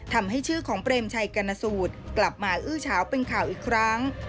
ทำให้ชื่อของเปรมชัยกรณสูตรกลับมาอื้อเฉาเป็นข่าวอีกครั้ง